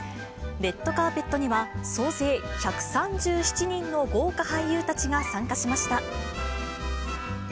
レッドカーペットには、総勢１３７人の豪華俳優たちが参加しました。